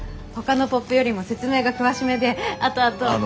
ほかのポップよりも説明が詳しめであとあと。